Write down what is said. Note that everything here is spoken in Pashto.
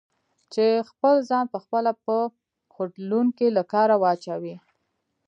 چې خپل ځان په خپله په خوټلون کې له کاره واچوي؟